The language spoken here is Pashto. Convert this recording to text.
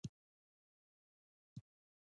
سپینه خوله لکه د ورې.